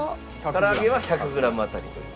唐揚げは１００グラム当たりという。